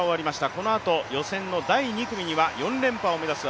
このあと予選の第２組には、４連覇を目指します